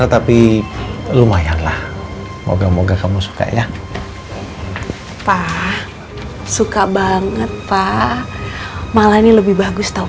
tapi lumayan lah moga moga kamu suka ya pak suka banget pak malah ini lebih bagus tahu